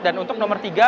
dan untuk nomor tiga